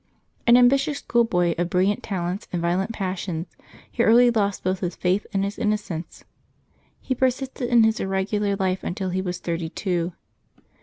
An ambitious school boy of bril liant talents and violent passions, he early lost both his faith and his innocence. He persisted in his irregular life until he was thirty two.